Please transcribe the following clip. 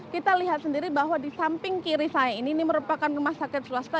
kita lihat sendiri bahwa di samping kiri saya ini merupakan rumah sakit swasta